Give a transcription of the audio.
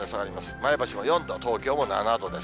前橋も４度、東京も７度です。